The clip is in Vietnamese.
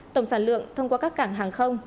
tổng sản lượng thông qua các cảng hàng không